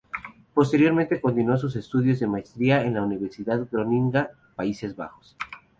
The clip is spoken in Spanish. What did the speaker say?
Posteriormente continuó sus estudios de maestría en la Universidad de Groninga, Países Bajos.